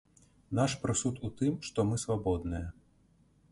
Наш прысуд у тым, што мы свабодныя.